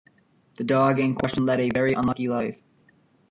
The dog in question led a very unlucky life.